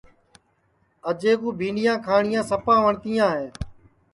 اجئے کُو بھینٚڈؔیاں کھاٹؔیاں سپا وٹؔتیاں ہے